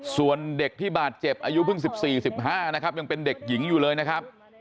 ส่วนเด็กที่บาดเจ็บอายุเพิ่ง๑๔๑๕นะครับยังเป็นเด็กหญิงอยู่เลยนะครับ